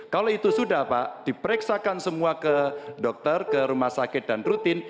kalau itu sudah pak diperiksakan semua ke dokter ke rumah sakit dan rutin